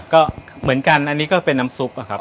ก็เหมือนกันอันนี้ก็เป็นน้ำซุปอะครับ